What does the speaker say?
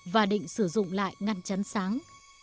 và định sử dụng lại ngăn chắn sáng